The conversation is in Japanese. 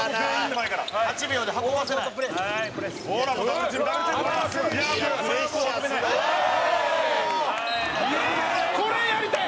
澤部：これ、やりたい！